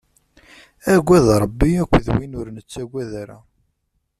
Agad Ṛebbi akked win ur nettagad ara.